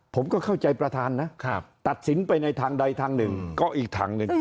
ผมก็เข้าใจประธานนะตัดสินไปในทางใดทางหนึ่งก็อีกทางหนึ่ง